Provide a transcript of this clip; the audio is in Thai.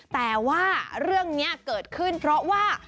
แต่ว่าเรื่องนี้เกิดขึ้นเพราะว่า